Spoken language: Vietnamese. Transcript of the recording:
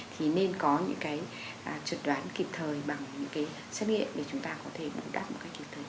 thì nên có những cái chuẩn đoán kịp thời bằng những cái xét nghiệm để chúng ta có thể đạt một cách kịp thời nhất